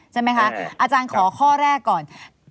ใช่ไหมคะอาจารย์ขอข้อแรกก่อน